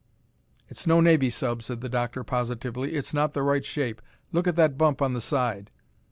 "It's no navy sub," said the doctor positively. "It's not the right shape. Look at that bump on the side!"